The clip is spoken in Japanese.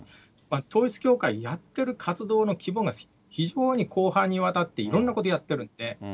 統一教会やってる活動の規模が非常に広範にわたって、いろんなことやってるんで。